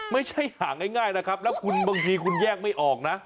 ไม่ใช่หาง่ายนะครับแล้วคุณบางทีคุณแยกไม่ออกนะ